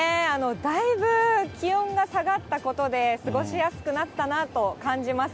だいぶ気温が下がったことで、過ごしやすくなったなと感じます。